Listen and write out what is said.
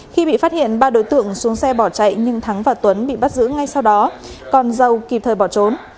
khi bị phát hiện ba đối tượng xuống xe bỏ chạy nhưng thắng và tuấn bị bắt giữ ngay sau đó còn dâu kịp thời bỏ trốn